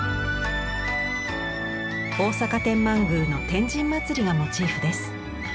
大阪天満宮の天神祭がモチーフです。